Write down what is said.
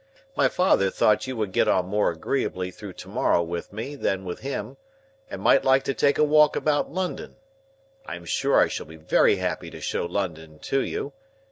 My father thought you would get on more agreeably through to morrow with me than with him, and might like to take a walk about London. I am sure I shall be very happy to show London to you.